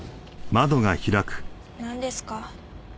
なんですか？